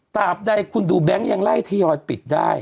บใดคุณดูแบงค์ยังไล่ทยอยปิดได้